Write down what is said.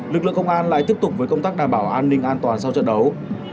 lực lượng công an lại tiếp tục với công tác đảm bảo an ninh an toàn sau trận đấu